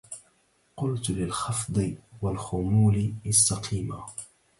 قلت للخفض والخمول استقيما